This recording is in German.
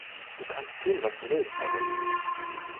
Du kannst tun was Du willst, alter Junge!